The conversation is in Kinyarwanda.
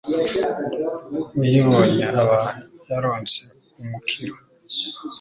uyibonye aba yaronse umukiro